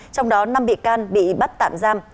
trong đó năm bị can bị bắt tạm giam